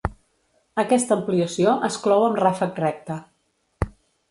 Aquesta ampliació es clou amb ràfec recte.